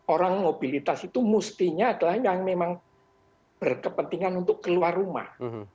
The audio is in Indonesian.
orang mobilitas itu mestinya adalah yang memang berkepentingan untuk keluar rumah